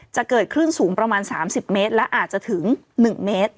จะเกิดคลื่นสูงประมาณ๓๐เมตรและอาจจะถึง๑เมตร